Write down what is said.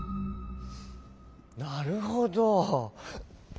なるほど。